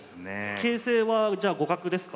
形勢はじゃあ互角ですか？